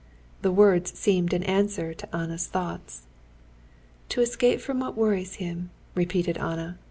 The words seemed an answer to Anna's thoughts. "To escape from what worries him," repeated Anna.